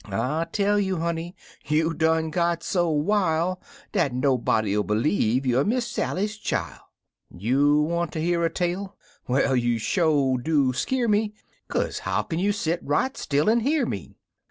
I tell you, honey, you done got so wil' Dat nobody'U b'lieve you er Miss Sally's chil'I You wanter hear a tale ? Well, you sho do skeer Kaze how kin you set right still an' hear me